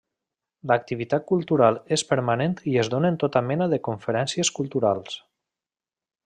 L'activitat cultural és permanent i es donen tota mena de conferències culturals.